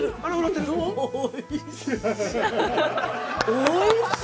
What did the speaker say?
◆おいしい。